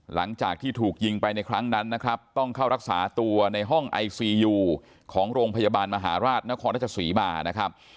หลังจากที่ถูกยิงไปในครั้งนั้นนะครับต้องเข้ารักษาตัวในห้องไอซียูของโรงพยาบาลมหาราชนครราชศรีมานะครับ